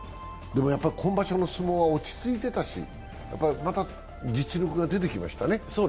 今場所の相撲は落ち着いてたし、また実力が出てきましたね。